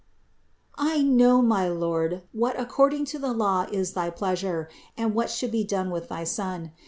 I know, my Lord, what according to the law is thy pleasure and what should be done with thy Son.